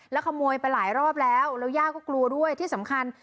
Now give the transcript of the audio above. ขโมยไปหลายรอบแล้วแล้วย่าก็กลัวด้วยที่สำคัญ